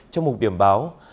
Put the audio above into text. trong một điểm báo